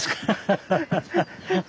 ハハハハハ。